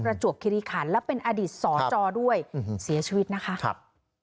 จวบคิริขันและเป็นอดีตสอจอด้วยเสียชีวิตนะคะครับ